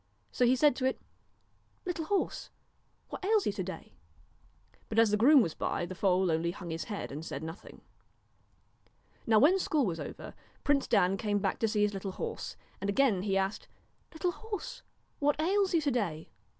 So he said to it :' Little horse ! what ails you to day ?' but as the groom was by, the foal only hung his head and said nothing. Now when school was over, Prince Dan came back to see his little horse, and again he asked :' Little horse ! what ails you to day